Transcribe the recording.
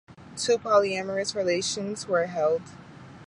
Two polyamorous relations were held.